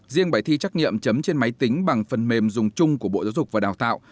riêng bài thi trắc nghiệm chấm trên máy tính bằng phần mềm dùng chung của bộ giáo dục và đào tạo